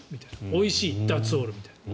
おいしいザッツオールみたいな。